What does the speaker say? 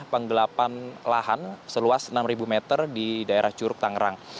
penggelapan lahan seluas enam meter di daerah curug tangerang